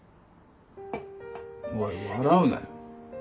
おい笑うなよ。